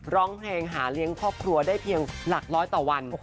ร้องเพลงหาเลี้ยงครอบครัวได้เพียงหลักร้อยต่อวัน